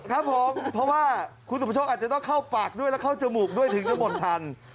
ครับผมเพราะว่าคุณสุประโชคอาจจะต้องเข้าปากด้วยแล้วเข้าจมูกด้วยถึงจะหมดทัน